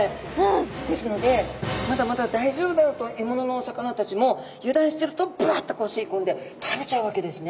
ですのでまだまだ大丈夫だと獲物のお魚たちも油断してるとブワッとこう吸い込んで食べちゃうわけですね。